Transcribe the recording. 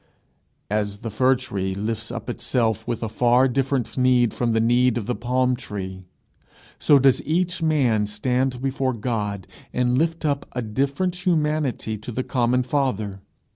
As the fir tree lifts up itself with a far different need from the need of the palm tree, so does each man stand before God, and lift up a different humanity to the common Father.